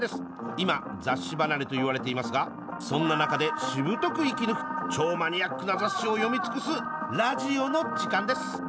今、雑誌離れと言われていますがそんな中で、しぶとく生きる超マニアックな雑誌を読み尽くすラジオの時間です。